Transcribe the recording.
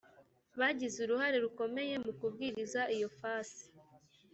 bagize uruhare rukomeye mu kubwiriza iyo fasi